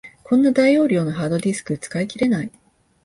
こんな大容量のハードディスク、使い切れない